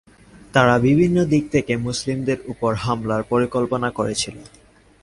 তারা ভিন্ন দিক থেকে মুসলিমদের উপর হামলার পরিকল্পনা করেছিল।